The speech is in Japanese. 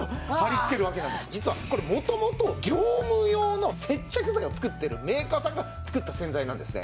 実はこれ元々業務用の接着剤を作ってるメーカーさんが作った洗剤なんですね。